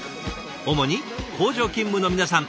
主に工場勤務の皆さん。